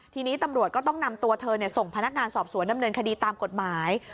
ทีนี้ตำรวจก็ต้องนำตัวเธอส่งพนักงานสอบสวนดำเนินคดีตามกฎหมาย